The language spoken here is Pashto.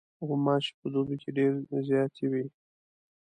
غوماشې په دوبي کې ډېرې زیاتې وي.